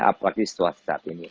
apalagi situasi saat ini